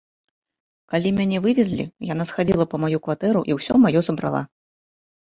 Калі мяне вывезлі, яна схадзіла па маю кватэру і ўсё маё забрала.